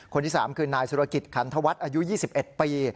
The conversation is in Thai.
คนที่๓คือนายสุรกิจขันธวัฒน์อายุ๒๑ปี